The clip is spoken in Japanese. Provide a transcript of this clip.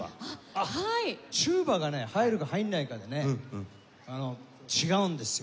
テューバがね入るか入らないかでね違うんですよ。